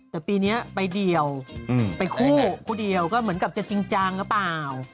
แต่ปีนี้ไปเดียวไปคู่คู่เดียวก็เหมือนกับจะจริงจังหรือเปล่า